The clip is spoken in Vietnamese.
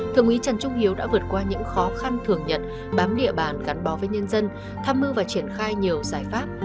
thượng ý trần trung hiếu đã vượt qua những khó khăn thường nhận bám địa bàn gắn bó với nhân dân tham mưu và triển khai nhiều giải pháp